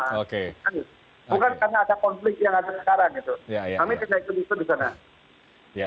bukan karena ada konflik yang ada sekarang